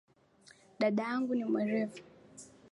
Dadangu ni mwerevu